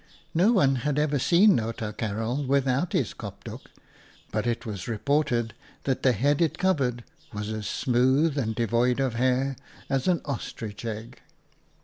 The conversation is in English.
No one had ever seen Outa Karel without his kopdoek, but it was reported that the head it covered was as smooth and devoid of hair as an ostrich egg.